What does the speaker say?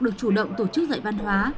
được chủ động tổ chức dạy văn hóa